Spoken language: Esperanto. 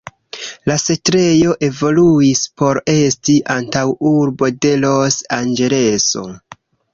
La setlejo evoluis por esti antaŭurbo de Los-Anĝeleso.